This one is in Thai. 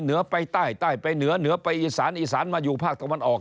เหนือไปใต้ใต้ไปเหนือเหนือไปอีสานอีสานมาอยู่ภาคตะวันออก